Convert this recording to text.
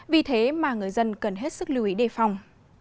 vì thế mà người dân cần hết sức lưu ý đề phòng